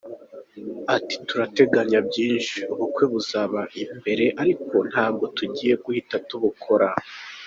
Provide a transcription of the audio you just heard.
Ati “Turateganya byinshi, ubukwe buza imbere ariko ntabwo tugiye guhita tubikora.